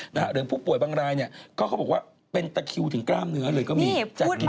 หรือผู้ป่วยบางรายก็บอกว่าเป็นตะคิวถึงกล้ามเนื้อหรือก็มีจัดกินน้ำ